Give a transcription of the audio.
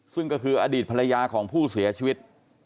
ซึ่งก็คืออดีตภรรยาของผู้เสียชีวิต